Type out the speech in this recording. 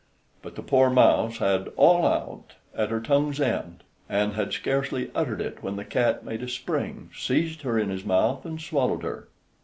But the poor mouse had "All out" at her tongue's end, and had scarcely uttered it when the cat made a spring, seized her in his mouth, and swallowed her.